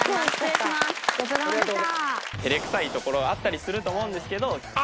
ごちそうさまでした。